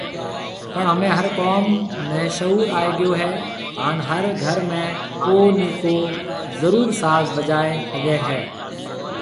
پڻ همي هر قوم شعور آئي گيو هي هان هر گھر ۾ ڪو ني ڪو ضرور ساز بجائي ۿگھيَََ هي۔